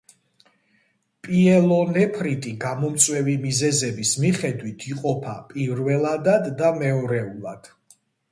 პიელონეფრიტი გამომწვევი მიზეზების მიხედვით იყოფა პირველადად და მეორეულად.